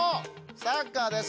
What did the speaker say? サッカーです。